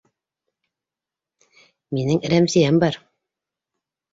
Минең Рәмзиәм бар.